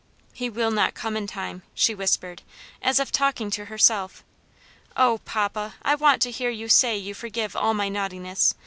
"He will not come in time," she whispered, as if talking to herself. "Oh, papa, I want to hear you say you forgive all my naughtiness.